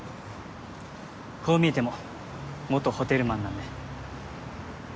こう見えても元ホテルマンなんで。